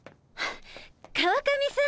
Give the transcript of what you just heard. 川上さん